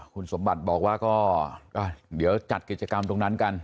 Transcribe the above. คุณสมบัติบอกว่าก็เดี๋ยวจัดกิจกรรมตรงนั้นกัน